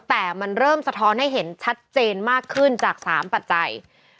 แต่มันเริ่มสะท้อนให้เห็นชัดเจนมากขึ้นจาก๓ปัจจัย